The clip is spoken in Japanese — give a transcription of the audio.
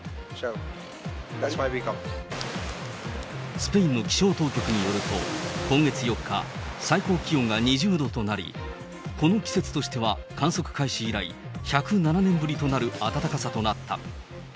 スペインの気象当局によると、今月４日、最高気温が２０度となり、この季節としては、観測開始以来、１０７年ぶりとなる暖かさとなった。